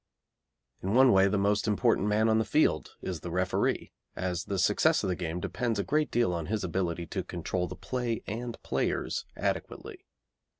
In one way the most important man on the field is the referee, as the success of the game depends a great deal on his ability to control the play and players adequately.